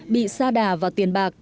bị xa đà vào tiền bạc